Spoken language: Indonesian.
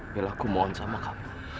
bella aku mohon sama kamu